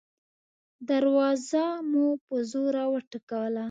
دروازه مو په زوره وټکوله.